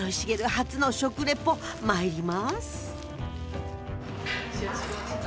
初の食レポまいります！